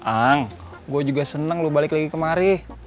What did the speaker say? ang gue juga seneng loh balik lagi kemari